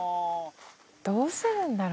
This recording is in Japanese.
「どうするんだろ？